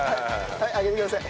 はい上げてください。